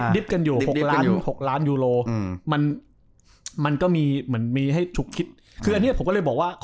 ดิบกันอยู่๖ล้านยูโรมันมันก็มีเหมือนมีให้ถูกคิด